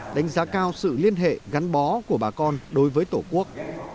đánh giá cao sự liên hệ gắn bó của bà con đối với tổ quốc